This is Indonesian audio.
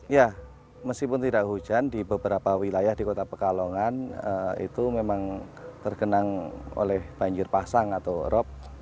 ya meskipun tidak hujan di beberapa wilayah di kota pekalongan itu memang tergenang oleh banjir pasang atau rop